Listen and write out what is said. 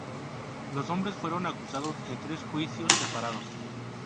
Los hombres fueron acusados en tres juicios separados.